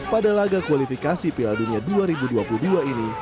pada laga kualifikasi piala dunia dua ribu dua puluh dua ini